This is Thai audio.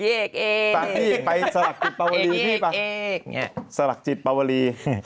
ไปสลักจิตปวลีสลักจิตปวลี